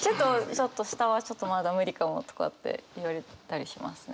ちょっと下はちょっとまだ無理かもとかって言われたりしますね。